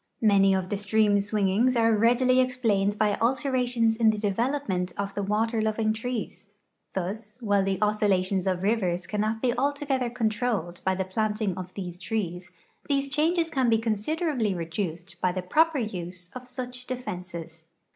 Many of the stream swingings are readily ex plained by alternations in the development of the water loving trees. Thus, while the oscillations of rivers cannot be altogether controlled by the planting of these trees, these changes can be considerably reduced by the proper use of such defenses.